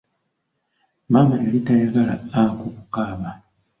Maama yali tayagala Aku ku kaaba.